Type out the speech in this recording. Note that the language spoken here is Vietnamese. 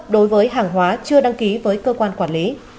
đối với hàng hóa chưa đăng ký với cơ quan quản lý